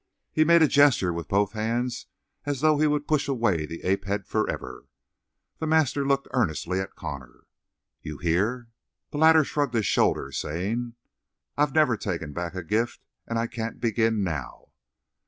He made a gesture with both hands as though he would push away the ape head forever. The master looked earnestly at Connor. "You hear?" The latter shrugged his shoulders, saying: "I've never taken back a gift, and I can't begin now."